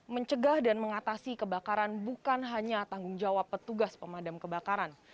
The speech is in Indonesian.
mencegah dan mengatasi kebakaran bukan hanya tanggung jawab petugas pemadam kebakaran